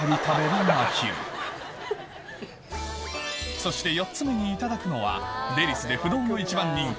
そして４つ目にいただくのはデリスで不動の一番人気